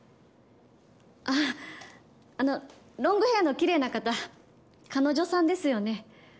あのロングヘアのきれいな方彼女さんですよね。